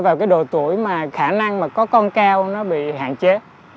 vào cái độ tuổi mà khả năng mà có con cao nó bị hạn chế